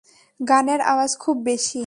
গানের আওয়াজ খুব বেশী।